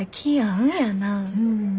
うん。